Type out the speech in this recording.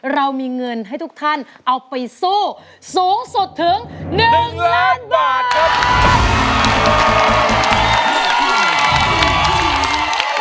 เรามีเงินให้ทุกท่านเอาไปสู้สูงสุดถึง๑ล้านบาทครับ